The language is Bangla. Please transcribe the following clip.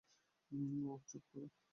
ওহ, চুপ কর।